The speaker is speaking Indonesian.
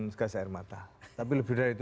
gas air mata tapi lebih dari itu